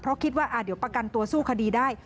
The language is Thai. เพราะคิดว่าเดี๋ยวประกันตัวสู้คดีได้